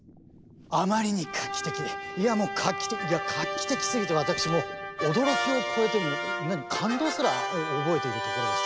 あまりに画期的いやもう画期的いや画期的すぎて私もう驚きを超えてもう何感動すら覚えているところです。